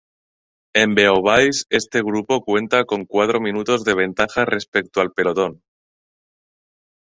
En Beauvais, este grupo cuenta con cuatro minutos de ventaja respecto al pelotón.